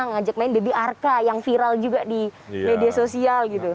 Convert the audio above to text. ngajak main baby arka yang viral juga di media sosial gitu